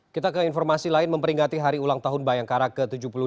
kita ke informasi lain memperingati hari ulang tahun bayangkara ke tujuh puluh empat